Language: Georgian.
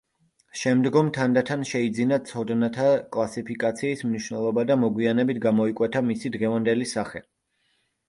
შემდგომ თანდათან შეიძინა ცოდნათა კლასიფიკაციის მნიშვნელობა და მოგვიანებით გამოიკვეთა მისი დღევანდელი სახე.